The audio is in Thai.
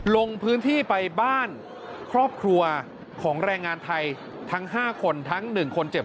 ลงพื้นที่ไปบ้านครอบครัวของแรงงานไทยทั้ง๕คนทั้ง๑คนเจ็บ